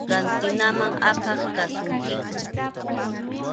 Kantinaman apaq kasunkiku.